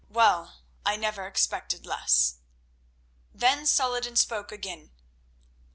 Well, I never expected less." Then Saladin spoke again.